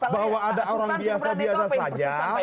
bahwa ada orang biasa biasa saja